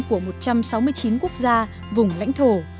của một trăm sáu mươi chín quốc gia vùng lãnh thổ